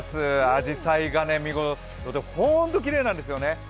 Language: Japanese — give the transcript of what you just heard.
あじさいが見頃、ホントきれいなんですよね。